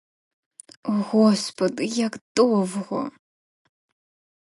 О господи, як довго!